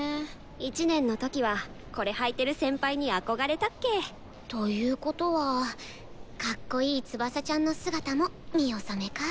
１年の時はこれはいてる先輩に憧れたっけ。ということはかっこいい翼ちゃんの姿も見納めか。